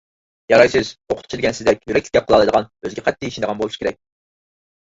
يارايسىز! ئوقۇتقۇچى دېگەن سىزدەك يۈرەكلىك گەپ قىلالايدىغان، ئۆزىگە قەتئىي ئىشىنىدىغان بولۇشى كېرەك.